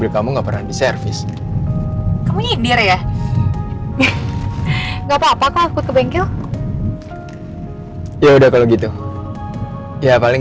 kamu nggak pernah di servis kamu nyedir ya nggak papa aku ke bengkel ya udah kalau gitu ya paling